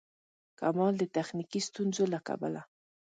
کمال د تخنیکي ستونزو له کبله.